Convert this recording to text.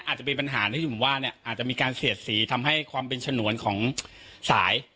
อาจจะเป็นปัญหาที่หนุ่มว่าเนี่ยอาจจะมีการเสียดสีทำให้ความเป็นฉนวนของสาย